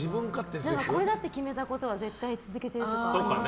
これだって決めたことは絶対続けているとかですか。